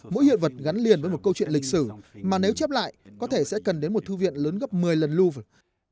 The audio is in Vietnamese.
mỗi hiện vật gắn liền với một câu chuyện lịch sử mà nếu chép lại có thể sẽ cần đến một thư viện lớn gấp một mươi lần louvre